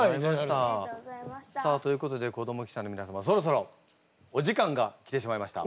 さあということで子ども記者のみなさまそろそろお時間が来てしまいました。